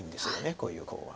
こういうコウは。